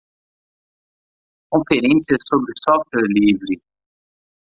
Conferências sobre software livre.